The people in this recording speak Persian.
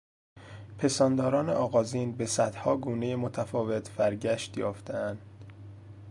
پستانداران آغازین به صدها گونهی متفاوت فرگشت یافتهاند.